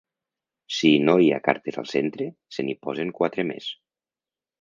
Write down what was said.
Si no hi ha cartes al centre, se n'hi posen quatre més.